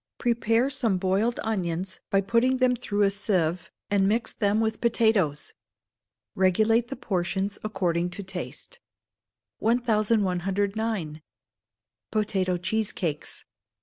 Prepare some boiled onions, by putting them through a sieve, and mix them with potatoes. Regulate the portions according to taste. 1109. Potato Cheesecakes.